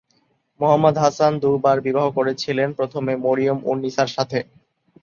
মুহাম্মদ হাসান দু'বার বিবাহ করেছিলেন, প্রথমে মরিয়াম-উন-নিসার সাথে।